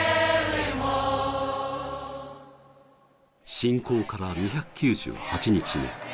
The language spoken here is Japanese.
侵攻から２９８日目。